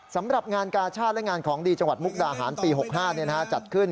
สำหรับงานกาชาติและงานของดีจังหวัดมุกดาหารปี๖๕จัดขึ้น